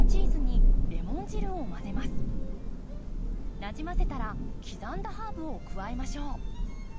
なじませたら刻んだハーブを加えましょう。